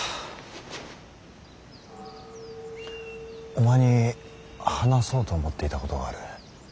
お前に話そうと思っていたことがある。